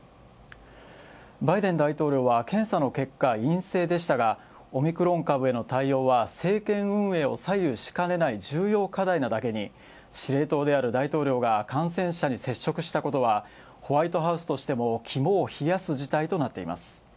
バイデン大統領は、検査の結果、陰性でしたがオミクロン株への対応は政権運営を左右しかねない重用課題なだけに司令塔である大統領が感染者に接触したことはホワイトハウスとしても肝を冷やす事態となっています。